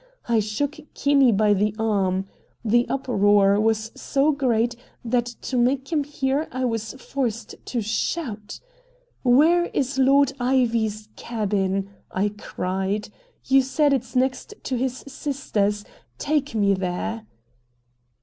I shook Kinney by the arm. The uproar was so great that to make him hear I was forced to shout. "Where is Lord Ivy's cabin?" I cried. "You said it's next to his sister's. Take me there!"